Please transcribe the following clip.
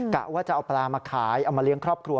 กะว่าจะเอาปลามาขายเอามาเลี้ยงครอบครัว